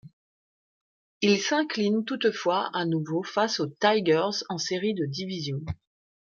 Ils s'inclinent toutefois à nouveau face aux Tigers en Série de division.